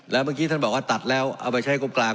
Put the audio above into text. แล้วเมื่อกี้ท่านบอกว่าตัดแล้วเอาไปใช้งบกลาง